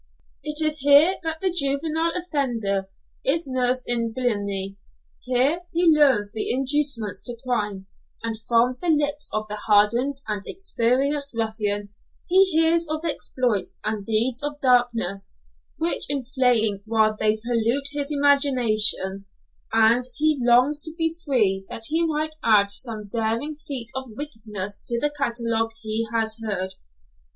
It is here that the juvenile offender is nursed in villainy, here he learns the inducements to crime, and from the lips of the hardened and experienced ruffian he hears of exploits and deeds of darkness, which inflame while they pollute his imagination, and he longs to be free that he might add some daring feat of wickedness to the catalogue he has heard.